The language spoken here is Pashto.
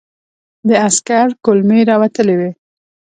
د عسکر کولمې را وتلې وې.